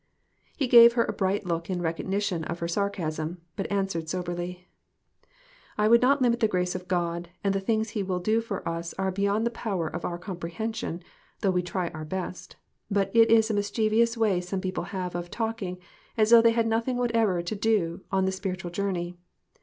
" He gave her a bright look in recognition of her sarcasm, but answered soberly "I would not limit the grace of God, and the things he will do for us are beyond the power of our comprehension, though we try our best ; but it is a mischievous way some people have of talk ing as though they had nothing whatever to do .on this spiritual journey.